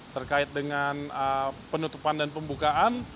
terkait dengan penutupan dan pembukaan